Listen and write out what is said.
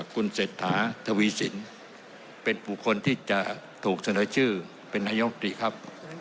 คุณเศรษฐาทวีสินเป็นบุคคลที่จะถูกเสนอชื่อเป็นนายกตรีครับ